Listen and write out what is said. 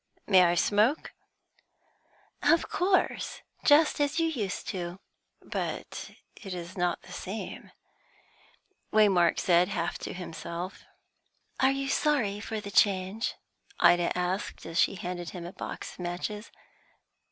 "May I smoke?" "Of course, just as you used to." "But it is not the same," Waymark said, half to himself. "Are you sorry for the change?" Ida asked, as she handed him a box of matches.